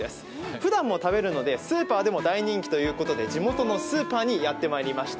ふだんも食べるので、スーパーでも大人気ということで、地元のスーパーにやってまいりました。